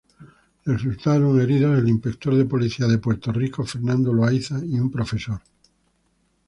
Resultaron heridos el inspector de Policía de Puerto Rico, Fernando Loaiza, y un profesor.